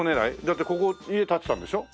だってここ家建てたんでしょ？